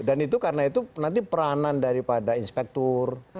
dan itu karena itu nanti peranan daripada inspektur